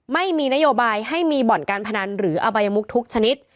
ไม่มีนโยบายให้มีบ่อนการพนันหรืออบายมุกทุกชนิด